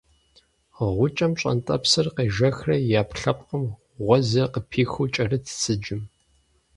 Гъукӏэм пщӏантӏэпсыр къежэхрэ и ӏэпкълъэпкъым гъуэзыр къыпихыу кӏэрытт сыджым.